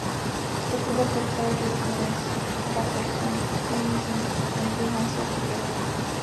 Teprve torpédoborec "Patterson" z jižní skupiny vyhlásil poplach.